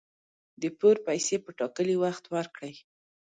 د پور پیسي په ټاکلي وخت ورکړئ